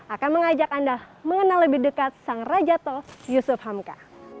akan mengajak anda mengenal lebih dekat sang raja tol yusuf hamka